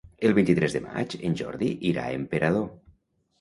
El vint-i-tres de maig en Jordi irà a Emperador.